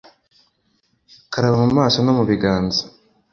karaba mu maso no mu biganza